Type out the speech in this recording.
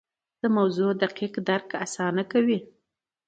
د موضوع دقیق درک اسانه کوي.